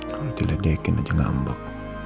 kalau diledekin aja ngambak